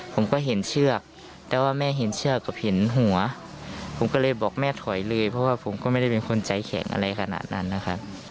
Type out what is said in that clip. ผมก็เห็นเชือกแต่ว่าแม่เห็นเชือกกับเห็นหัวผมก็เลยบอกแม่ถอยเลยเพราะว่าผมก็ไม่ได้เป็นคนใจแข็งอะไรขนาดนั้นนะครับ